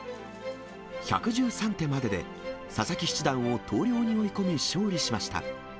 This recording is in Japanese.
１１３手までで、佐々木七段を投了に追い込み勝利しました。